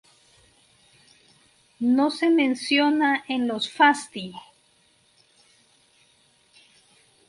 No se menciona en los "Fasti".